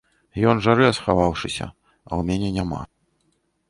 Ён жарэ, схаваўшыся, а ў мяне няма.